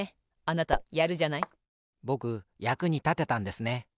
ぼくやくにたてたんですね。